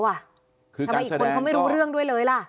ทำไมอีกคนเขาไม่รู้เรื่องด้วยเลยล่ะ